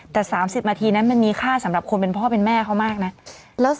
แต่๓๐นาทีนั้นมันมีค่าสำหรับคนเป็นพ่อเป็นแม่เขามากนะ